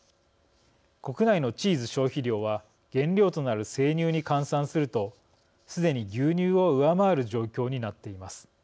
国内のチーズ消費量は原料となる生乳に換算するとすでに牛乳を上回る状況になっています。